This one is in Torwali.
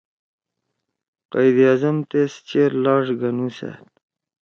قائداعظم تیس چیر لاݜ گھنُوسأد